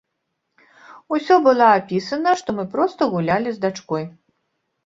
Усё было апісана, што мы проста гулялі з дачкой.